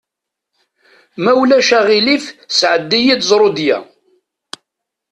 Ma ulac aɣilif sɛeddi-yi-d ẓrudya.